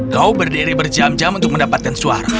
kau berdiri berjam jam untuk mendapatkan suara